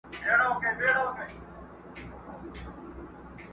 o د يوه سود د بل زيان٫